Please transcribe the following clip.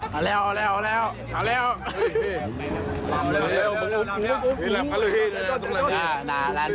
ก็เชื่อน